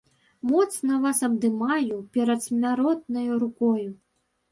Моцна вас абдымаю перадсмяротнаю рукою.